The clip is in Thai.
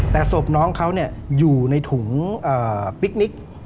แต่ศพน้องเขาอยู่ในถุงปิ๊กนิก